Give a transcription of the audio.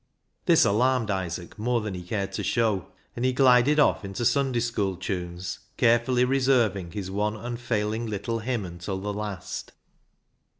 This alarmed Isaac more than he cared to show, and he glided off into Sunday school tunes, carefully reserving his one unfailing little hymn until the last.